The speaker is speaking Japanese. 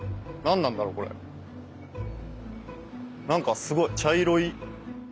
なんかすごい茶色い。